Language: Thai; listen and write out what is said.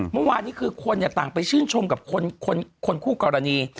เมื่อวานนี้คือคนต่างไปชื่นชมกับคนคู่กรณี